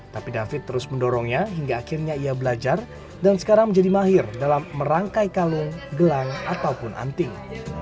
tapi david terus mendorongnya hingga akhirnya ia belajar dan sekarang menjadi mahir dalam merangkai kalung gelang ataupun anting